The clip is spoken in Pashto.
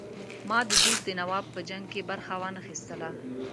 ما د دیر د نواب په جنګ کې برخه وانه خیستله.